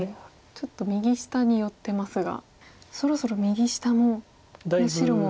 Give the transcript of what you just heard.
ちょっと右下に寄ってますがそろそろ右下の白も。